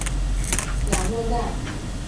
雅洛盖。